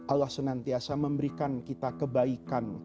allah senantiasa memberikan kita kebaikan